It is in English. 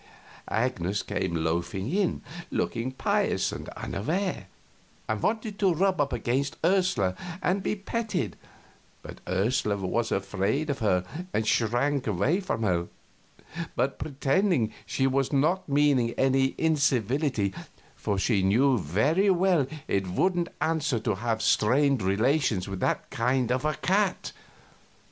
Agnes came loafing in, looking pious and unaware, and wanted to rub up against Ursula and be petted, but Ursula was afraid of her and shrank away from her, but pretending she was not meaning any incivility, for she knew very well it wouldn't answer to have strained relations with that kind of a cat.